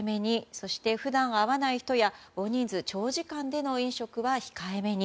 そして、普段会わない人や大人数、長時間での飲食は控えめに。